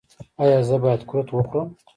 ایا زه باید قروت وخورم؟